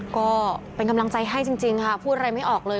ก็เป็นกำลังใจให้จริงค่ะพูดอะไรไม่ออกเลย